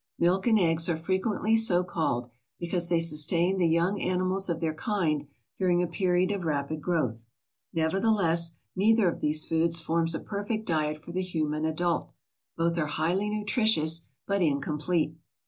Milk and eggs are frequently so called, because they sustain the young animals of their kind during a period of rapid growth. Nevertheless, neither of these foods forms a perfect diet for the human adult. Both are highly nutritious, but incomplete.